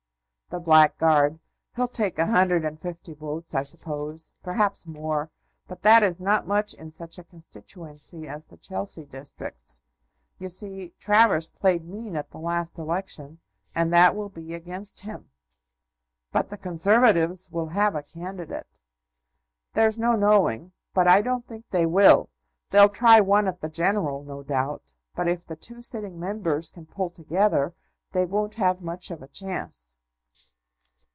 "The blackguard! He'll take a hundred and fifty votes, I suppose; perhaps more. But that is not much in such a constituency as the Chelsea districts. You see, Travers played mean at the last election, and that will be against him." "But the Conservatives will have a candidate." "There's no knowing; but I don't think they will. They'll try one at the general, no doubt; but if the two sitting Members can pull together, they won't have much of a chance."